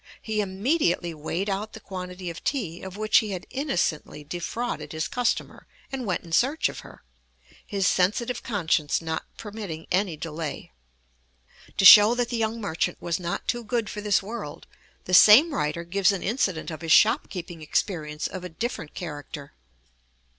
He immediately weighed out the quantity of tea of which he had innocently defrauded his customer and went in search of her, his sensitive conscience not permitting any delay. To show that the young merchant was not too good for this world, the same writer gives an incident of his shop keeping experience of a different character.